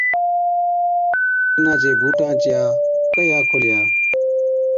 جِنا چي بُوٽان چِيا ڪهِيا کولِيا،